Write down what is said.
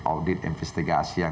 audit investigasi yang